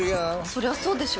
そりゃそうでしょ。